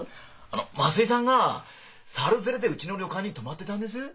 あの増井さんが猿連れでうちの旅館に泊まっでたんです。